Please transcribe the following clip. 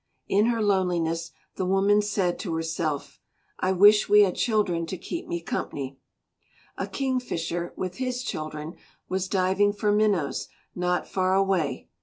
In her loneliness the woman said to herself, "I wish we had children to keep me company." A Kingfisher, with his children, was diving for minnows not far away.